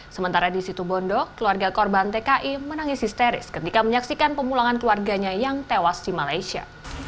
sementara di situ bondo keluarga korban tki menangis histeris ketika menyaksikan pemulangan keluarganya yang tewas di malaysia